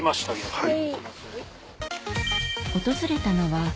はい。